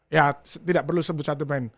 ya tidak perlu sebut satu poin